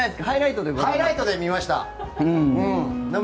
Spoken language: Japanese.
ハイライトで見ました。